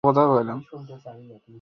বলো যে, ভয় পেয়েছিলে।